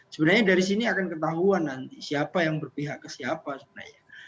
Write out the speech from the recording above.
sebenarnya dari sini akan ketahuan nanti siapa yang berpihak ke siapa sebenarnya